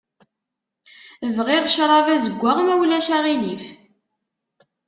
Bɣiɣ ccṛab azeggaɣ ma ulac aɣilif.